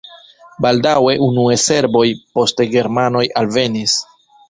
Baldaŭe unue serboj, poste germanoj alvenis.